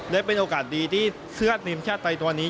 และเป็นโอกาสดีที่เสื้อทีมชาติไทยตอนนี้